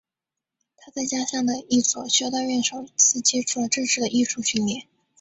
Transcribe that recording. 他在家乡的一所修道院首次接触了正式的艺术训练。